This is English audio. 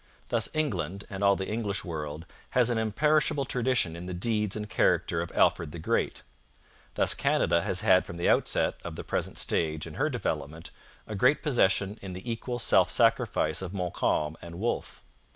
Thus England, and all the English world, has an imperishable tradition in the deeds and character of Alfred the Great; thus Canada has had from the outset of the present stage in her development a great possession in the equal self sacrifice of Montcalm and Wolfe.